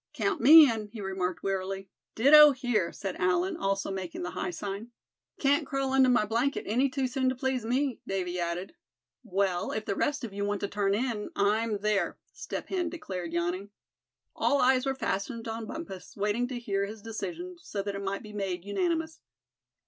"Count me in," he remarked, wearily. "Ditto here," said Allan, also making the high sign. "Can't crawl under my blanket any too soon to please me," Davy added. "Well, if the rest of you want to turn in, I'm there," Step Hen declared, yawning. All eyes were fastened on Bumpus, waiting to hear his decision, so that it might be made unanimous.